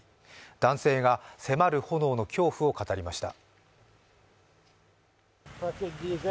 男性が迫る炎の恐怖を語りました。